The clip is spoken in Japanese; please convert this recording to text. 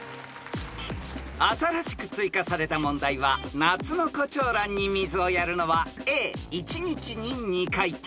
［新しく追加された問題は夏のコチョウランに水をやるのはＡ１日に２回。